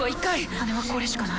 羽根はこれしかない。